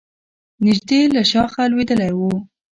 نژدې له شاخه لوېدلی و.